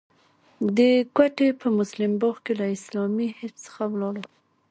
د کوټې په مسلم باغ کې له اسلامي حزب څخه ولاړم.